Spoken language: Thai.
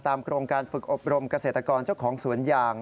โครงการฝึกอบรมเกษตรกรเจ้าของสวนยาง